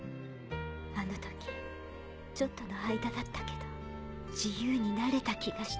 あの時ちょっとの間だったけど自由になれた気がした。